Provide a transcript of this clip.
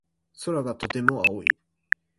空がとても青い。